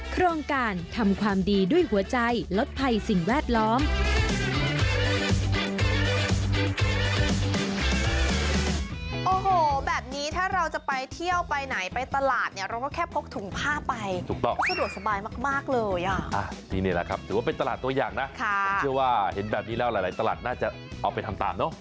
โครงการทำความดีด้วยหัวใจลดภัยสิ่งแวดล้อม